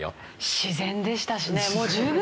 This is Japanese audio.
自然でしたしね。